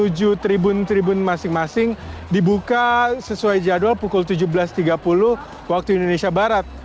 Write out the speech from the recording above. menuju tribun tribun masing masing dibuka sesuai jadwal pukul tujuh belas tiga puluh waktu indonesia barat